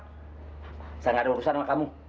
saya gak ada urusan sama kamu